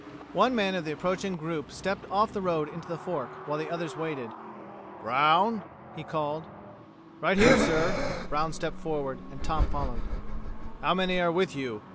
One man of the approaching group stepped off the road into the fork, while the others waited. "Brown," he called. "Right here, sir." Brown stepped forward, and Tom followed. "How many are with you?"